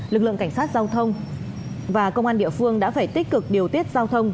lực lượng cảnh sát giao thông và công an địa phương đã phải tích cực điều tiết giao thông